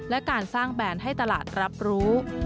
และการสร้างแบรนด์ให้ตลาดรับรู้